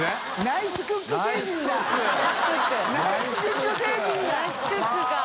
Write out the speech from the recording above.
ナイスクックか。